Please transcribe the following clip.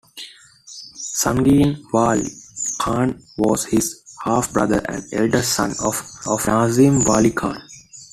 Sangeen Wali Khan was his half brother and eldest son of Nasim Wali Khan.